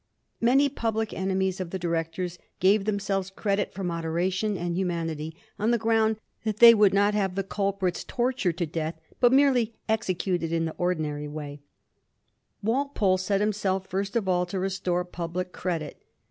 Many public enemies of the directors gave themselves credit for moderation and humanity on the ground that they would not have the culprits tortured to death, but merely executed in the ordi nary way, Walpole set himself first of all to restore public credit.